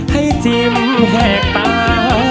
ให้จิ้มแหกตา